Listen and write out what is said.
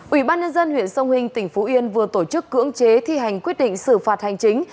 ủy ban nhân dân huyện sông hình tỉnh phú yên vừa tổ chức cưỡng chế thi hành quyết định xử phạt hành chính